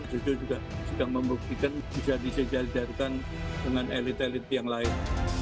justru juga sedang membuktikan bisa disedialidarkan dengan elit elit yang lain